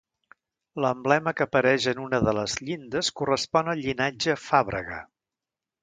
L'emblema que apareix en una de les llindes correspon al llinatge Fàbrega.